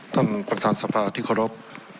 ท่านประธานสภาที่เคารพ